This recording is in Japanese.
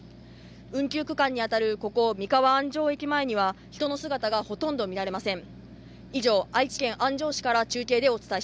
運休区間に当たるここ三河安城駅前には人の姿がほとんど見られません。